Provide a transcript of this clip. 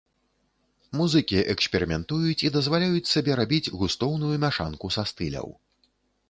Музыкі эксперыментуюць і дазваляюць сабе рабіць густоўную мяшанку са стыляў.